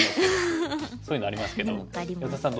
そういうのありますけど安田さん